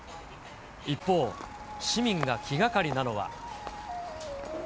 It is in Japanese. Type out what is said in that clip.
一方、市民が気がかりなのは。